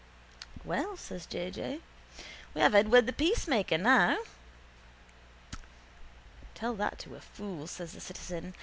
—Well, says J. J. We have Edward the peacemaker now. —Tell that to a fool, says the citizen.